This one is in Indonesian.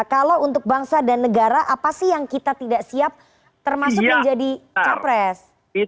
kalau untuk bangsa dan negara apa sih yang kita tidak siap termasuk menjadi capres